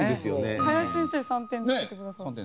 林先生は３点つけてくださって。